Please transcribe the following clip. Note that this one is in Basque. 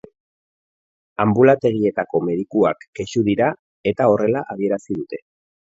Anbulategietako medikuak kexu dira eta horrela adierazi dute.